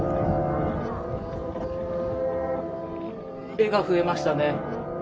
絵が増えましたね。